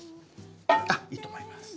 あっいいと思います。